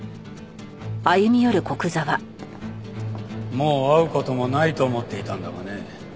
もう会う事もないと思っていたんだがね。